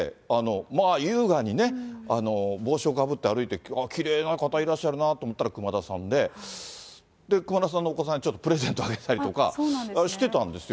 まあ優雅にね、帽子をかぶって歩いて、ああ、きれいな方いらっしゃるなと思ったら、熊田さんで、熊田さんのお子さんにちょっとプレゼントあげたりとか、してたんですよ。